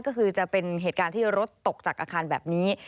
ก็คือจะเป็นเหตุการณ์ที่รถตกจากอาคารแบบนี้